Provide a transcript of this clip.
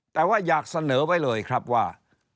แต่ว่าอยากเสนอไว้เลยครับว่า